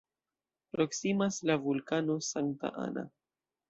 Proksimas la vulkano "Santa Ana".